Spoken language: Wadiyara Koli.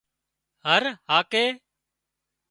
هۯ هاڪي